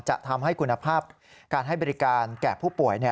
จะทำให้คุณภาพการให้บริการแก่ผู้ป่วย